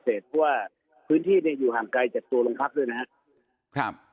เพราะว่าพื้นที่เนี่ยอยู่ห่างไกลจากตัวลงพักด้วยนะครับ